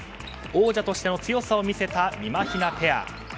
王者としての強さを見せたみまひなペア。